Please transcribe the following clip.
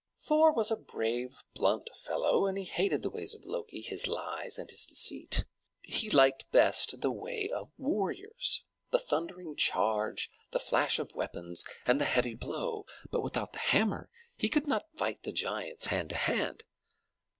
Thor was a brave, blunt fellow, and he hated the ways of Loki, his lies and his deceit. He liked best the way of warriors, the thundering charge, the flash of weapons, and the heavy blow; but without the hammer he could not fight the giants hand to hand.